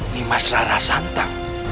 dimas rara santang